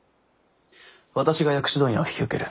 私が薬種問屋を引き受ける。